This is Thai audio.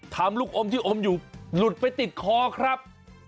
ลูกอมที่อมอยู่หลุดไปติดคอครับ